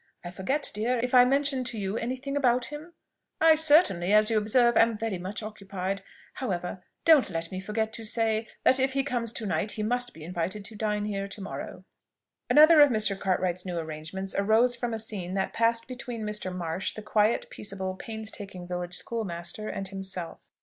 I forget, dear, if I mentioned to you any thing about him? I certainly, as you observe, am very much occupied! However, don't let me forget to say, that if he comes to night he must be invited to dine here to morrow." Another of Mr. Cartwright's new arrangements arose from a scene that passed between Mr. Marsh, the quiet, peaceable, pains taking village schoolmaster, and himself.